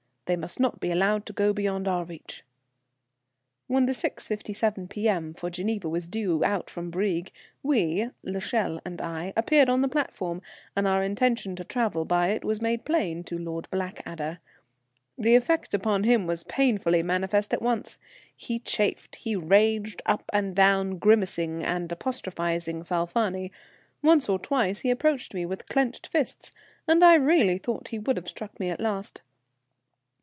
They must not be allowed to go beyond our reach." When the 6.57 P.M. for Geneva was due out from Brieg, we, l'Echelle and I, appeared on the platform, and our intention to travel by it was made plain to Lord Blackadder. The effect upon him was painfully manifest at once. He chafed, he raged up and down, grimacing and apostrophizing Falfani; once or twice he approached me with clenched fists, and I really thought would have struck me at last.